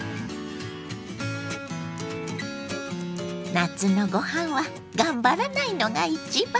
夏のご飯は頑張らないのが一番！